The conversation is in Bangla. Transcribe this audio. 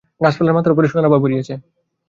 গাছপালার মাথার উপরে সোনার আভা পড়িয়াছে।